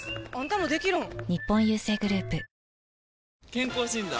健康診断？